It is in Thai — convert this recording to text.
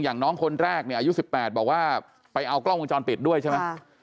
อย่างน้องคนแรกเนี่ยอายุ๑๘บอกว่าไปเอากล้องวงจรปิดด้วยใช่ไหม